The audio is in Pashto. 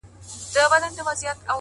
چي پر حال د زکندن به د وطن ارمان کوینه٫